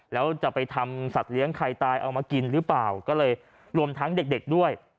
แล้วจะไปทำสัตว์เลี้ยงใครตายเอามากินหรือเปล่าก็เลยรวมทั้งเด็กด้วย